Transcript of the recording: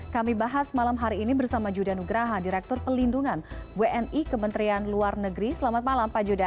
kami bahas malam hari ini bersama judah nugraha direktur pelindungan wni kementerian luar negeri selamat malam pak judah